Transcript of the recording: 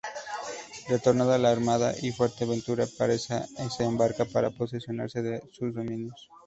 Retornada la armada a Fuerteventura, Peraza se embarca para posesionarse de sus dominios.